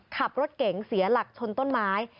ขับรถเก๋งเสียหลักชนต้นไม้